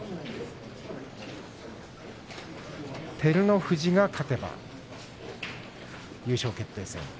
照ノ富士が勝てば優勝決定戦。